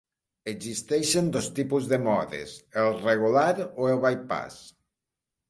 Existeixen dos tipus de modes: el regular o el bypass.